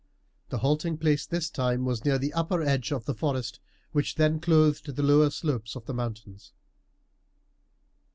The halting place this time was near the upper edge of the forest which then clothed the lower slopes of the mountains.